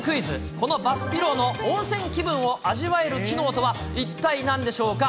このバスピローの温泉気分を味わえる機能とは、一体なんでしょうか。